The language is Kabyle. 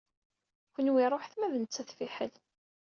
Kenwi ṛuḥet ma d nettat fiḥel.